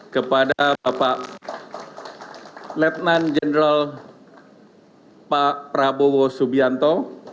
kepada bapak lieutenant general pak prabowo subianto